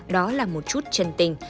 đó là một chút chân tình